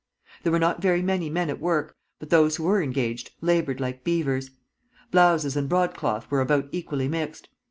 There were not very many men at work, but those who were engaged, labored like beavers. Blouses and broadcloth were about equally mixed.